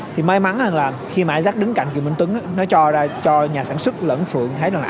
thì may mắn là khi mà isaac đứng cạnh kiều minh tuấn nó cho ra cho nhà sản xuất lẫn phượng thấy rằng là